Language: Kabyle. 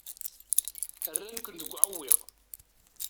Rran-ken deg uɛewwiq.